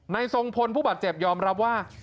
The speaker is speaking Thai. ทรงพลผู้บาดเจ็บยอมรับว่า